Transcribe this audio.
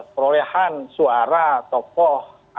perolehan suara tokoh